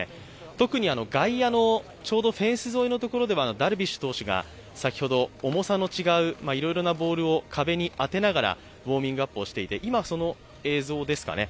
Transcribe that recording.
特に外野のちょうどフェンス沿いのところではダルビッシュ投手が先ほど重さの違ういろいろなボールを壁に当てながらウォーミングアップをしていて、今その映像ですかね。